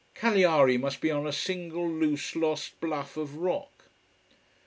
Cagliari must be on a single, loose, lost bluff of rock.